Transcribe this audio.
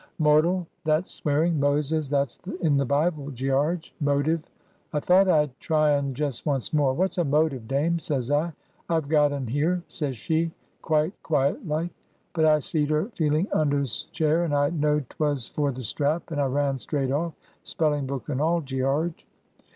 "Mortal. That's swearing. Moses. That's in the Bible, Gearge. Motive. I thought I'd try un just once more. 'What's a motive, Dame?' says I. 'I've got un here,' says she, quite quiet like. But I seed her feeling under 's chair, and I know'd 'twas for the strap, and I ran straight off, spelling book and all, Gearge."